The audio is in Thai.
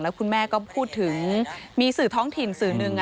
คุณแม่ก็พูดถึงมีสื่อท้องถิ่นสื่อหนึ่ง